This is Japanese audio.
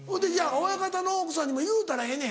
親方の奥さんにも言うたらええねん。